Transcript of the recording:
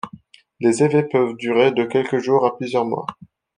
Les effets peuvent durer de quelques jours à plusieurs mois.